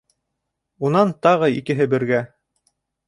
Унан тағы икеһе бергә: